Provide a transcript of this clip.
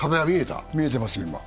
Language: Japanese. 見えてますよ、今。